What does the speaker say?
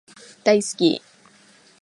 大好き